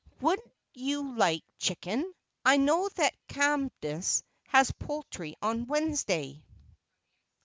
Would you like chicken? I know that Cadmus has poultry on Wednesday."